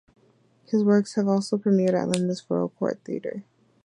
His works have also premiered at London's Royal Court Theatre.